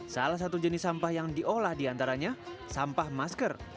salah satu jenis sampah yang diolah diantaranya sampah masker